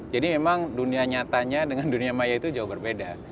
jadi memang dunia nyatanya dengan dunia maya itu jauh berbeda